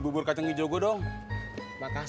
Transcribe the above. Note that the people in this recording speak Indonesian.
burur canggih jauh